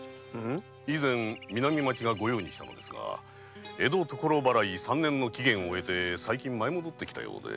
以前南町が御用にしたのですが江戸払い三年の期限を終えて最近舞い戻ってきたようで。